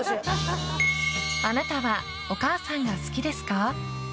あなたはお母さんが好きですか？